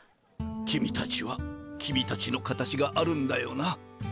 君たちは君たちの形があるんだよな。